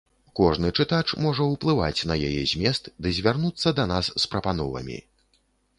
Кожны чытач можа ўплываць на яе змест ды звярнуцца да нас з прапановамі.